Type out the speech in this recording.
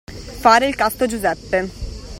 Fare il casto Giuseppe.